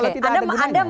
kalau tidak ada gunanya